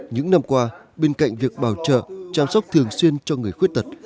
những năm qua bên cạnh việc bảo trợ chăm sóc thường xuyên cho người khuyết tật